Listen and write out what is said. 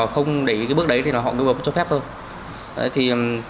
không để ý cái bước đấy thì họ google cho phép thôi